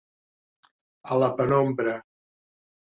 A la penombra.